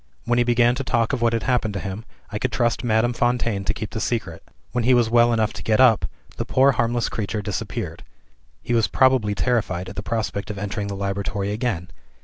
When he began to talk of what had happened to him, I could trust Madame Fontaine to keep the secret. When he was well enough to get up, the poor harmless creature disappeared. He was probably terrified at the prospect of entering the laboratory again.